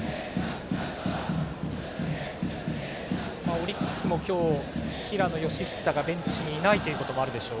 オリックスも今日、平野佳寿がベンチにいないということもあるでしょう